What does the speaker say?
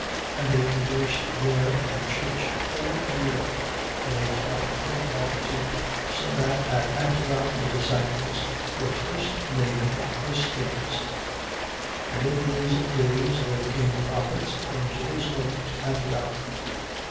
11:26. And they conversed there in the church a whole year: and they taught a great multitude, so that at Antioch the disciples were first named Christians. 11:27. And in these days there came prophets from Jerusalem to Antioch.